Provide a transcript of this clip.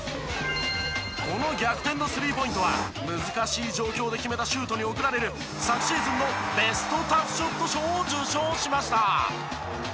この逆転の３ポイントは難しい状況で決めたシュートに贈られる昨シーズンのベストタフショット賞を受賞しました。